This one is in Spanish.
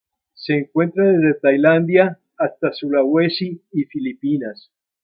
Se encuentra desde Tailandia hasta Sulawesi y Filipinas.